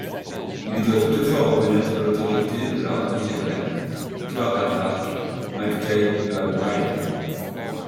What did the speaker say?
Il doit toutefois reconnaitre l'autorité de l'Ard ri Erenn Toirdhealbhach mac Taidgh Ua Briain.